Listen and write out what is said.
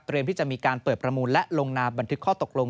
ที่จะมีการเปิดประมูลและลงนามบันทึกข้อตกลง